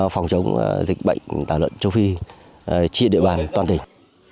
phòng chống dịch bệnh tả lợn châu phi trên địa bàn toàn tỉnh